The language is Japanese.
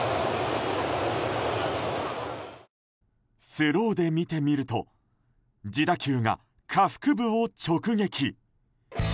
スローで見てみると自打球が下腹部を直撃。